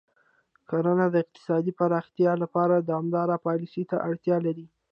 کرنه د اقتصادي پراختیا لپاره دوامداره پالیسۍ ته اړتیا لري.